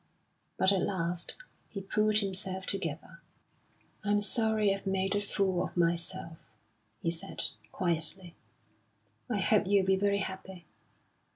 But at last he pulled himself together. "I'm sorry I've made a fool of myself," he said, quietly. "I hope you'll be very happy.